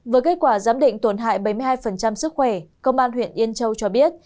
với kết quả giám định tổn hại bảy mươi hai sức khỏe công an huyện yên châu cho biết